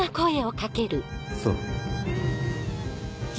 そう。